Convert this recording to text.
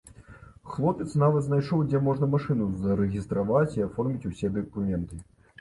Хлопец нават знайшоў, дзе можна машыну зарэгістраваць і аформіць усе дакументы.